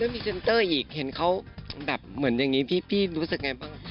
พรีเซนเตอร์อีกเห็นเขาแบบเหมือนอย่างนี้พี่รู้สึกไงบ้าง